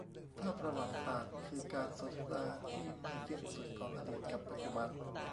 ถ้าประวัติศาสตร์คือการสนทนาที่ไม่สิ้นสุดของอดีตกับปัจจุบัน